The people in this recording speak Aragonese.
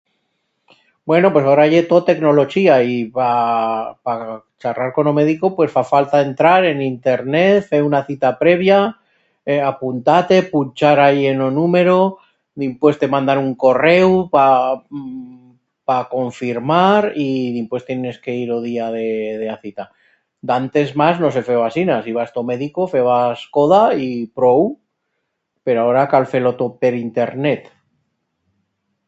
Bueno pues aora ye tot tecnolochía, y pa pa charrar con o medico pues fa falta entrar en internet, fer una cita previa, apuntar-te, punchar ahí en o numero, dimpués te mandan un correu pa pa confirmar y dimpués tienes que ir o día de de a cita. D'antes mas no se feba asinas, ibas ta o medico, febas coda y prou. Pero aora cal fer-lo tot per internet.